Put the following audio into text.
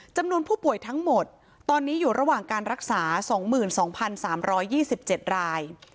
จำนวนผู้ป่วยทั้งหมดตอนนี้อยู่ระหว่างการรักษา๒๒๓๒๗ราย